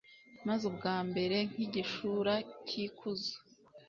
maze ubwambare nk'igishura cy'ikuzo